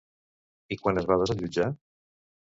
I quan es va desallotjar?